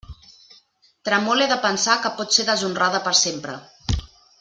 Tremole de pensar que pot ser deshonrada per sempre.